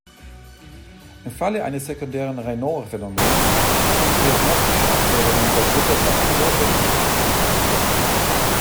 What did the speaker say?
Im Falle eines sekundären Raynaud-Phänomens sind diagnostische Abklärungen der Grunderkrankung notwendig.